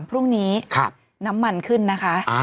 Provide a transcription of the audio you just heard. พรุ่งนี้น้ำมันขึ้นนะคะ